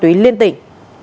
tùy liên tỉnh